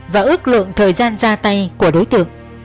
và ước lượng thời gian ra tay của đối tượng